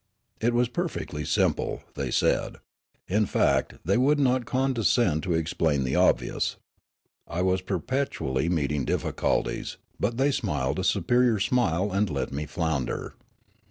It was perfectly simple, they said ; in fact, they would not condescend to explain the obvious. I was perpetuall}^ meeting difficulties, but they smiled a superior smile and let me flounder.